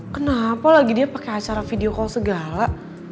kenapa lagi dia pakai acara video call segala